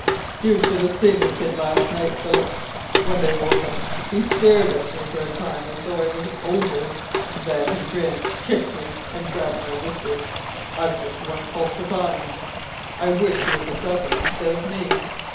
"You should have seen the kid last night, Philip. When they woke 'im he stared at me for a time as though I was an ogre, then he grinned, kicked me, and grabbed my whiskers, I've just one fault to find. I wish he was a dozen instead of me.